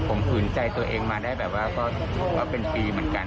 ผมขืนใจตัวเองมาได้แบบว่าก็เป็นปีเหมือนกัน